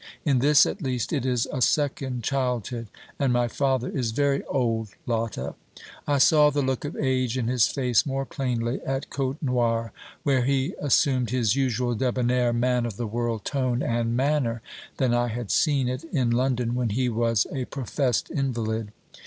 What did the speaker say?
In this, at least, it is a second childhood; and my father is very old, Lotta. I saw the look of age in his face more plainly at Côtenoir, where he assumed his usual debonnaire man of the world tone and manner, than I had seen it in London, when he was a professed invalid.